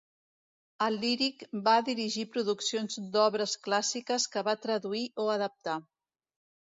Al Lyric va dirigir produccions d'obres clàssiques que va traduir o adaptar.